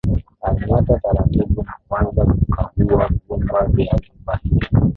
Alinyata taratibu na kuanza kukagua vyumba vya nyumba hiyo